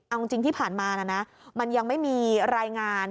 เอาจริงที่ผ่านมานะนะมันยังไม่มีรายงาน